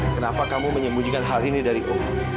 kenapa kamu menyembunyikan hal ini dari allah